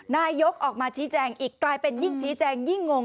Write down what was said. นายกออกมาชี้แจงอีกกลายเป็นยิ่งชี้แจงยิ่งงง